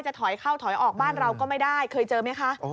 ถอยเข้าถอยออกบ้านเราก็ไม่ได้เคยเจอไหมคะ